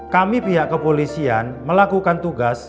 kami pihak kepolisian melakukan tugas